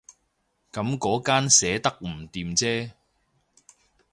噉嗰間寫得唔掂啫